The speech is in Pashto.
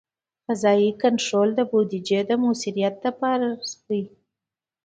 قضایي کنټرول د بودیجې د مؤثریت لپاره دی.